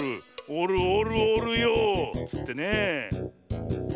おるおるおるよっつってねえ。